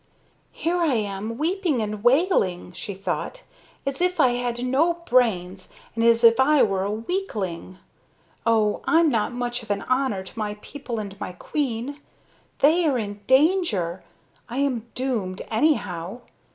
"Here I am weeping and wailing," she thought, "as if I had no brains and as if I were a weakling. Oh, I'm not much of an honor to my people and my queen. They are in danger. I am doomed anyhow.